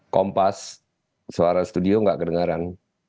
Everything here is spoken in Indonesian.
kompas suara studio nggak kedengaran